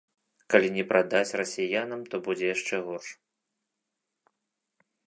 Калі не прадаць расіянам, то будзе яшчэ горш.